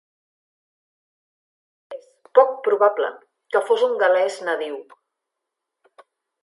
És poc probable que fos un gal·lès nadiu.